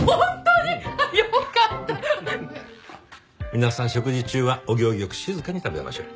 皆さん食事中はお行儀良く静かに食べましょう。